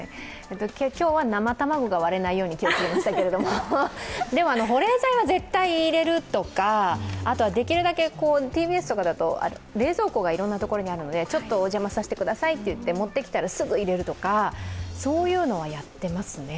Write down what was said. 今日は生卵が割れないように気をつけましたけれども、でも保冷剤は絶対に入れるとかあとはできるだけＴＢＳとかだと冷蔵庫がいろんなところにあるのでちょっとお邪魔させてくださいということで、持ってきたらすぐ入れるとか、そういうのはやってますね。